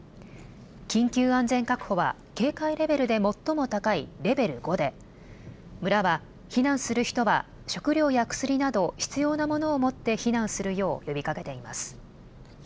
緊急安全確保は警戒レベルで最も高いレベル５で村は避難する人は食料や薬など必要なものを持って避難するよう呼びかけています。